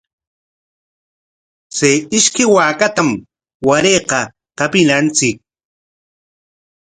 Chay ishkay waakatam warayqa qapinachik.